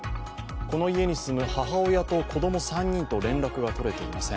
この家に住む母親と子供３人と連絡が取れていません。